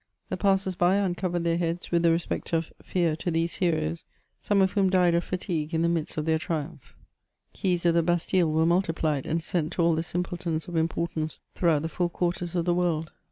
The passers<by uncovered their heads with the respect of fear to these heroes, some of whom died of fatigue in the midst of their triumph. Keys of the Bastille were multi plied, and sent to all the simpletons of importance throughout the four quarters of the world.